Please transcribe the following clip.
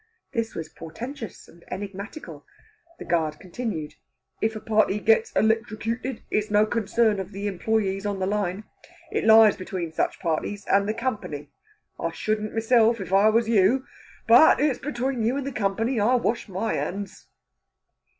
This was portentous and enigmatical. The guard continued: "If a party gets electrocuted, it's no concern of the employees on the line. It lies between such parties and the Company. I shouldn't myself, if I was you! But it's between you and the Company. I wash my hands."